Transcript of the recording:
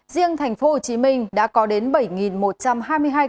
riêng tp hcm đã có đến bảy một trăm hai mươi hai ca